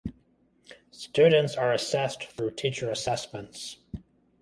Students are assessed through teacher assessments.